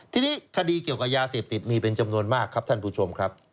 ทีนี้คดีเกี่ยวกับยาเสพติดมีเป็นจำนวนมากครับท่านผู้ชมครับ